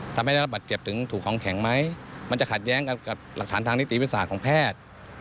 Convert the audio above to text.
ทำให้ได้รับบัตรเจ็บถึงถูกของแข็งไหมมันจะขัดแย้งกับหลักฐานทางนิติวิทยาศาสตร์ของแพทย์